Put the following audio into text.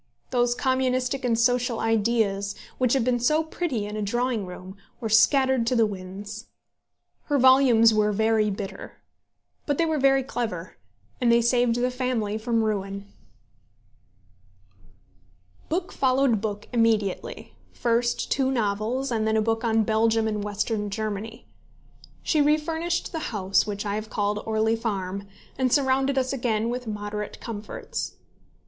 Those communistic and social ideas, which had been so pretty in a drawing room, were scattered to the winds. Her volumes were very bitter; but they were very clever, and they saved the family from ruin. Book followed book immediately, first two novels, and then a book on Belgium and Western Germany. She refurnished the house which I have called Orley Farm, and surrounded us again with moderate comforts.